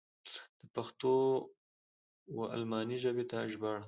د پښتو و الماني ژبې ته ژباړه.